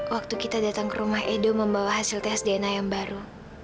waktu kita datang ke rumah edo membawa hasil tes dna yang baru